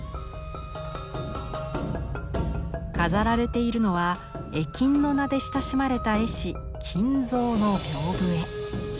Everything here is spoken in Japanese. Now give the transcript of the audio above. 飾られているのは「絵金」の名で親しまれた絵師金蔵の屏風絵。